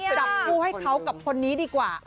จับคู่ให้เขากับคนนี้ดีกว่า